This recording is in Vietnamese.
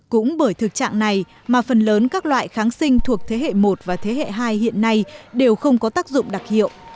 cũng bởi thực trạng này mà phần lớn các loại kháng sinh thuộc thế hệ một và thế hệ hai hiện nay đều không có tác dụng đặc hiệu